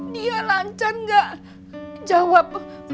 dia lancar nggak jawab pertanyaan